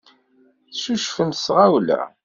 Teccucfemt s tɣawla.